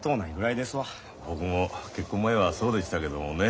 僕も結婚前はそうでしたけどもね。